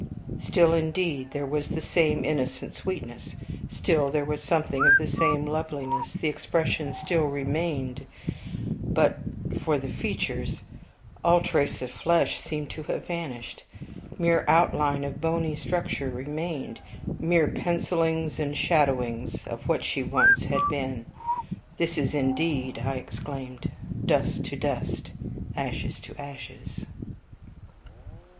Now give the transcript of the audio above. Still, indeed, there was the same innocent sweetness; still there was something of the same loveliness; the expression still remained; but for the features all trace of flesh seemed to have vanished; mere outline of bony structure remained; mere pencilings and shadowings of what she once had been. This is, indeed, I exclaimed, "dust to dust ashes to ashes!"